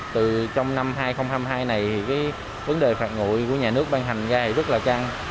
từ trong năm hai nghìn hai mươi hai này vấn đề phạt ngụy của nhà nước ban hành ra rất là căng